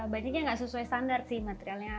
banyaknya nggak sesuai standar sih materialnya